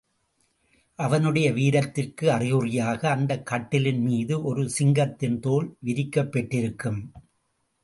அவனுடைய வீரத்திற்கு அறிகுறியாக, அந்தக் கட்டிலின்மீது ஒரு சிங்கத்தின் தோல் விரிக்கப்பெற்றிருக்கும்.